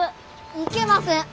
いけません。